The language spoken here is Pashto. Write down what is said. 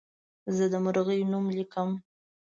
زه د مرغۍ نوم لیکم.